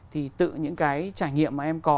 thì tự những cái trải nghiệm mà em có